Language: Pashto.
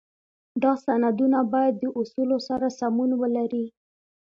دا سندونه باید د اصولو سره سمون ولري.